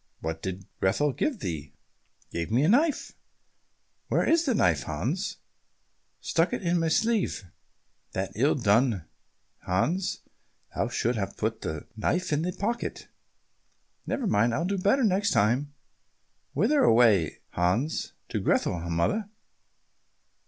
"What did Grethel give thee?" "Gave me a knife." "Where is the knife, Hans?" "Stuck in my sleeve." "That's ill done, Hans, thou shouldst have put the knife in thy pocket." "Never mind, will do better next time." "Whither away, Hans?" "To Grethel, mother."